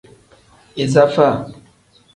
Iza faa.